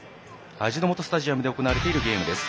味の素スタジアムで行われているゲームです。